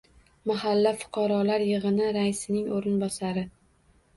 Mahalla fuqarolar yig'ini raisining o'rinbosari